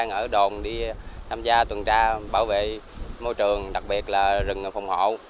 chúng tôi đồng đi tham gia tuần tra bảo vệ môi trường đặc biệt là rừng phòng hộ